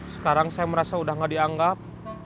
sekarang saya merasa udah gak dianggap